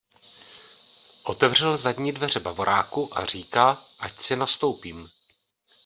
Otevřel zadní dveře Bavoráku a říká, ať si nastoupím.